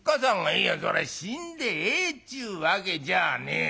「いやそら死んでええっちゅうわけじゃねえだ」。